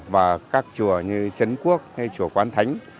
và các chùa như trấn quốc hay chùa quán thánh